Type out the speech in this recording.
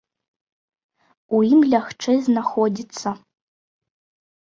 У ім лягчэй знаходзіцца.